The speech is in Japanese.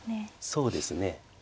そうですね。